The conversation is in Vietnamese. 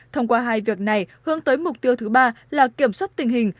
thông qua hai việc này hướng tới mục tiêu thứ ba là kiểm soát tình hình